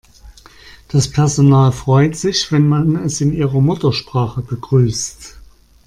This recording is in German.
Das Personal freut sich, wenn man es in ihrer Muttersprache begrüßt.